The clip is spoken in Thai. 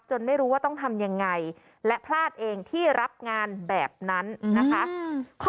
ไม่รู้ว่าต้องทำยังไงและพลาดเองที่รับงานแบบนั้นนะคะ